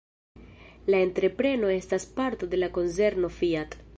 La entrepreno estas parto de la konzerno Fiat.